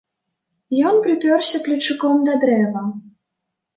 Ён прыпёрся плечуком да дрэва.